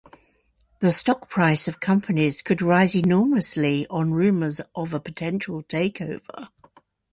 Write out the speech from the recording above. The stock price of companies could rise enormously on rumors of a potential takeover.